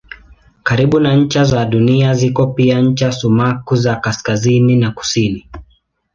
Karibu na ncha za Dunia ziko pia ncha sumaku za kaskazini na kusini.